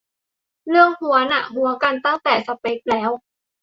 เรื่องฮั้วน่ะ ฮั้วกันตั้งแต่สเป็คแล้ว